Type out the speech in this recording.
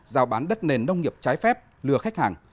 giao bán đất nền nông nghiệp trái phép lừa khách hàng